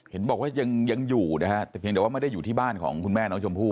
เห็นบอกว่ายังอยู่นะฮะแต่เพียงแต่ว่าไม่ได้อยู่ที่บ้านของคุณแม่น้องชมพู่